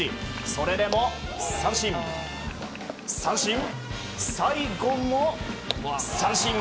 それでも三振、三振最後も三振！